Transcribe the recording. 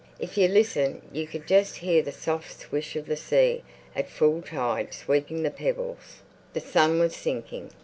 If you listened you could just hear the soft swish of the sea at full tide sweeping the pebbles. The sun was sinking.